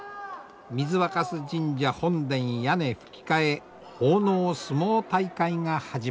水若酢神社本殿屋根ふき替え奉納相撲大会が始まります。